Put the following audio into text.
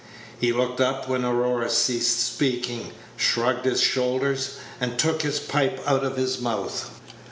He looked up when Aurora ceased speaking, shrugged his shoulders, and took his pipe out of his mouth.